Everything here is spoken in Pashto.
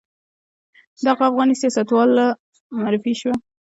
دغه افغاني سیاستواله معرفي شوه.